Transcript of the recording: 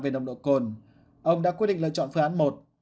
về nồng độ cồn ông đã quyết định lựa chọn phương án một